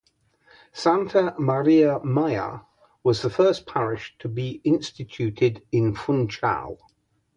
Santa Maria Maior was the first parish to be instituted in Funchal.